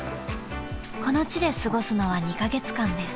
［この地で過ごすのは２カ月間です］